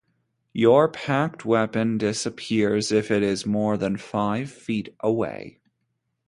Your pact weapon disappears if it is more than five feet away.